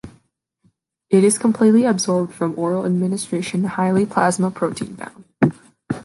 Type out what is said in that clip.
It is completely absorbed from oral administration and highly plasma protein bound.